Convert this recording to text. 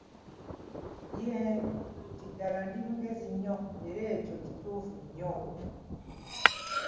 Yee, nti ddala ndi mugezi nnyo era ekyo kituufu nnyo.